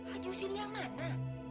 pak jusin yang mana